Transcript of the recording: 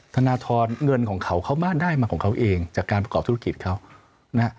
ธนทรเงินของเขาเขามาได้มาของเขาเองจากการประกอบธุรกิจเขานะฮะ